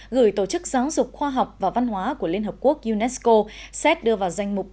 gửi tổ chức giáo dục khoa học và văn hóa của liên hợp quốc unesco xét đưa vào danh mục